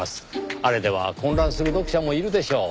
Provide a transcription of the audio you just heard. あれでは混乱する読者もいるでしょう。